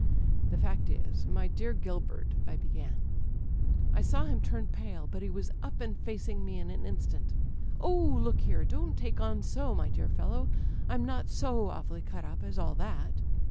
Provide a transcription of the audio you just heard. "*The fact is, my dear Gilbert,* I began ^^I saw him turn pale, but> he was up and facing me in an instant. "*Oh, look here, don't take on so, my dear fellow! I'm not so awfully cut up as all that!'